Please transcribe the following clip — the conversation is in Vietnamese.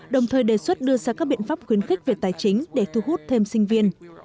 đồng thời đề xuất đưa ra các biện pháp khuyến khích về tài chính để thu hút thêm sinh viên